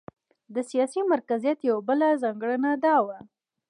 د سیاسي مرکزیت یوه بله ځانګړنه دا وه.